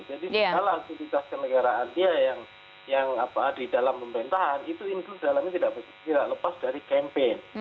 jadi segala aktivitas kenegaraannya yang apa di dalam pemerintahan itu includes dalamnya tidak lepas dari campaign